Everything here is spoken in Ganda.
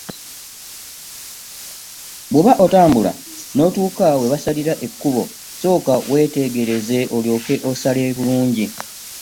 Bw'oba otambula n'otuuka we basalira ekkubo sooka weetegereze olyoke osale bulungi.